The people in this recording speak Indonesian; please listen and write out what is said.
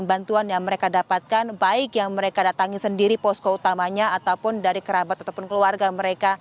dan bantuan yang mereka dapatkan baik yang mereka datangi sendiri posko utamanya ataupun dari kerabat ataupun keluarga mereka